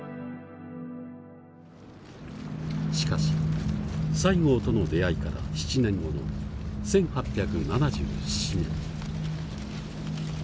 しかし西郷との出会いから７年後の１８７７年。